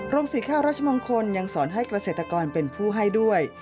สีข้าวรัชมงคลยังสอนให้เกษตรกรเป็นผู้ให้ด้วย